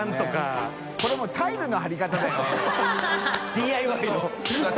ＤＩＹ の